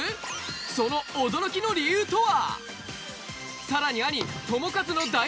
その驚きの理由とは？